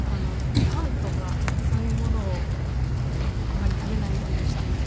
パンとかそういうものをあまり食べないようにしていて。